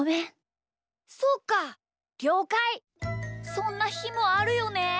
そんなひもあるよね。